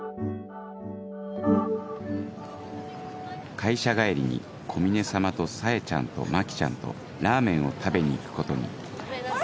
会社帰りに小峰様とサエちゃんとマキちゃんとラーメンを食べに行くことにあれ？